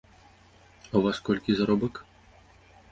А ў вас колькі заробак?